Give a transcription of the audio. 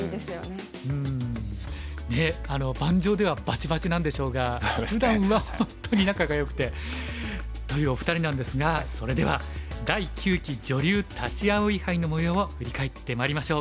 ねえ盤上ではバチバチなんでしょうがふだんは本当に仲がよくてというお二人なんですがそれでは第９期女流立葵杯のもようを振り返ってまいりましょう。